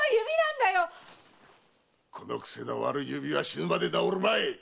この癖の悪い指は死ぬまで治るまい！